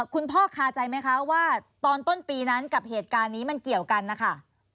คุณพ่อคาใจไหมคะว่าตอนต้นปีนั้นกับเหตุการณ์นี้มันเกี่ยวกันนะคะ